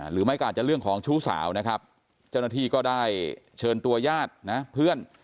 หรือไม่ก็อาจจะเรื่องของชู้สาวนะครับเจ้าหน้าที่ก็ได้เชิญตัวญาตินะเพื่อน